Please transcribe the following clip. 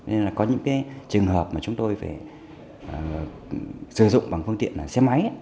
nên là có những trường hợp mà chúng tôi phải sử dụng bằng phương tiện xe máy